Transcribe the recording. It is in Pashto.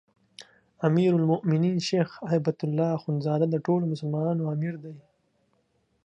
امیرالمؤمنین شيخ هبة الله اخوندزاده د ټولو مسلمانانو امیر دی